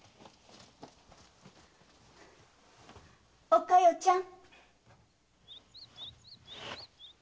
お加代ちゃん。